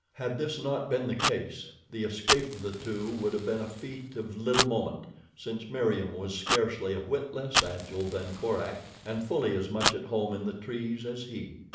Had this not been the case the escape of the two would have been a feat of little moment, since Meriem was scarcely a whit less agile than Korak, and fully as much at home in the trees as he.